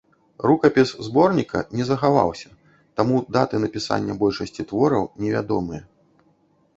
Рукапіс зборніка не захаваўся, таму даты напісання большасці твораў невядомыя.